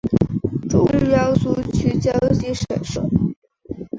中央苏区江西省设。